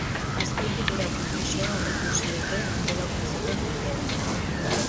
Azpiegitura konplexua aurreikusi dute antolakuntzako kideek.